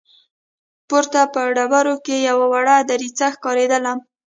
پورته په ډبرو کې يوه وړه دريڅه ښکارېدله.